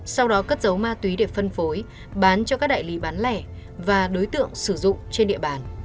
sau đó cất dấu ma túy để phân phối bán cho các đại lý bán lẻ và đối tượng sử dụng trên địa bàn